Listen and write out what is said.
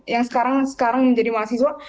yang sekarang menjadi mahasiswa